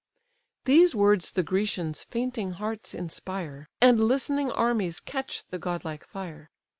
These words the Grecians' fainting hearts inspire, And listening armies catch the godlike fire.